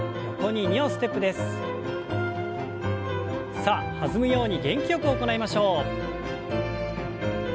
さあ弾むように元気よく行いましょう。